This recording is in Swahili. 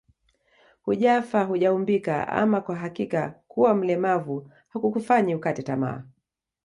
Hujafa hujaumbika ama kwa hakika kuwa mlemavu hakukufanyi ukate tamaa